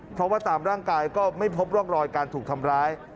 เพราะว่าตามร่างกายก็ไม่พบร่องรอยการถูกทำร้าย